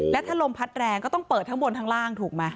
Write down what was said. และถ้าลมพัดแรงก็ต้องเปิดทั้งบนทั้งล่างถูกไหม